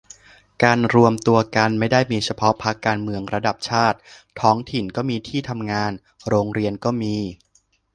การรวมตัวกันไม่ได้มีเฉพาะพรรคการเมืองระดับชาติ ท้องถิ่นก็มี ที่ทำงาน โรงเรียนก็มี